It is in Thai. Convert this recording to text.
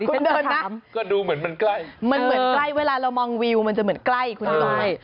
คุณเดินนะก็ดูเหมือนมันใกล้มันเหมือนใกล้เวลาเรามองวิวมันจะเหมือนใกล้คุณน้อย